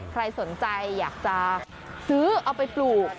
ใครสนใจอยากจะซื้อเอาไปปลูก